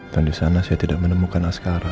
dan disana saya tidak menemukan askara